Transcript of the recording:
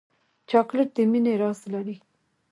چاکلېټ د مینې راز لري.